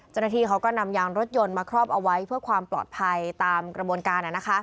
เจ้าหน้าที่เขาก็นำยางรถยนต์มาครอบเอาไว้เพื่อความปลอดภัยตามกระบวนการ